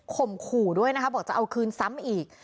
ขู่ด้วยนะคะบอกจะเอาคืนซ้ำอีก